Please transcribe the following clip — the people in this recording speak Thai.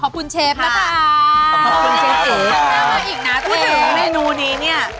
ขอบคุณชิคกี้พายมากอีกนะตัวเองพูดถึงเมนูนี้เนี่ย